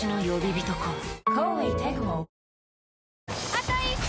あと１周！